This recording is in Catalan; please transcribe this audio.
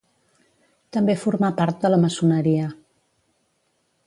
També formà part de la maçoneria.